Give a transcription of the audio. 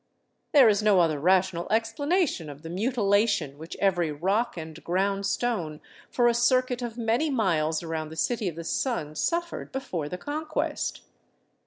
" There is no other rational explanation of the mutilation which every rock and ground stone for a circuit of many miles around the City of the Sun suffered before the Conquest.